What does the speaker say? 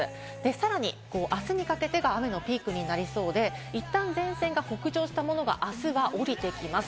さらに明日にかけてが雨のピークになりそうで、いったん前線が北上したものがあすは降りてきます。